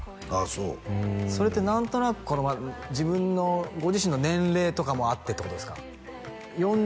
そうそれって何となく自分のご自身の年齢とかもあってってことですか？